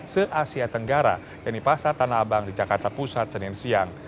se asia tenggara yaitu pasar tanah abang di jakarta pusat senin siang